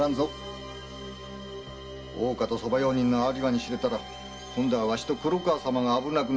大岡と側用人・有馬に知れたら今度はわしと黒河様が危ない。